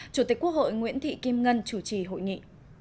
chủ tịch quốc hội nguyễn thị kim ngân chủ trì hội nghị